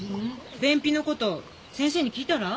便秘のこと先生に聞いたら？